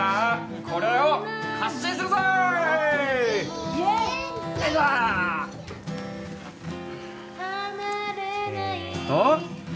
これを発信するぞえと「＃